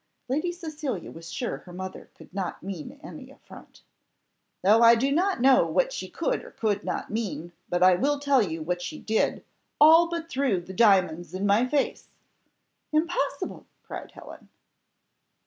Lady Cecilia was sure her mother could not mean any affront. "Oh, I do not know what she could or could not mean; but I will tell you what she did all but threw the diamonds in my face." "Impossible!" cried Helen.